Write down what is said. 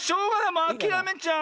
もうあきらめちゃう。